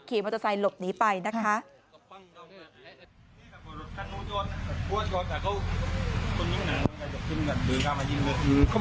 ขี่มอเตอร์ไซค์หลบหนีไปนะคะ